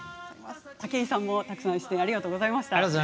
武井さんもたくさん出演ありがとうございました。